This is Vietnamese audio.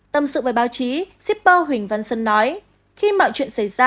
tâm sự với báo chí shipper huỳnh văn sơn nói khi mọi chuyện xảy ra